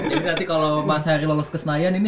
jadi nanti kalau mas hari lolos kesenayan ini